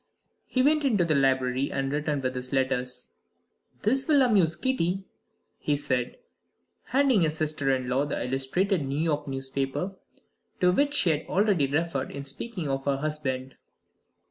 He went into the library and returned with his letters. "This will amuse Kitty," he said, handing his sister in law the illustrated New York newspaper, to which she had already referred in speaking to her husband.